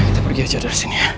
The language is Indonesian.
kita pergi aja dari sini